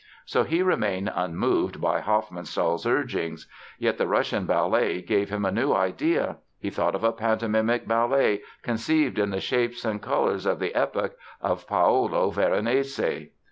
So he remained unmoved by Hofmannsthal's urgings. Yet the Russian Ballet gave him a new idea. He thought of a pantomimic ballet conceived in the shapes and the colors of the epoch of Paolo Veronese.